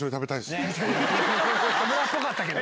脂っぽかったけど。